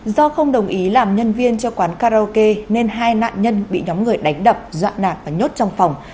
do không đồng ý làm nhân viên cho quán karaoke nên hai nạn nhân bị nhóm người đánh đập dọa nạc và nhốt trong phòng